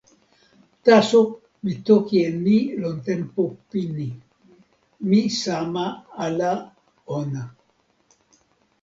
taso, mi toki e ni lon tenpo pini: mi sama ala ona.